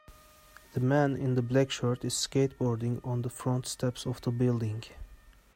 The man in the black shirt is skateboarding on the front steps of the building.